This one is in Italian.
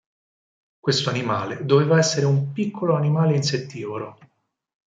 Questo animale doveva essere un piccolo animale insettivoro.